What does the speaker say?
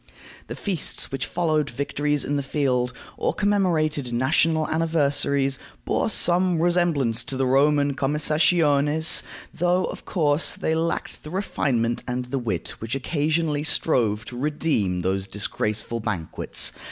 The feasts which followed victories in the field, or commemorated national anniversaries, bore some resemblance to the Roman commessationes, though, of course, they lacked the refinement and the wit which occasionally strove to redeem those disgraceful banquets.